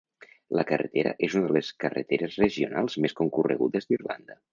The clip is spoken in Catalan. La carretera és una de les carreteres regionals més concorregudes d"Irlanda.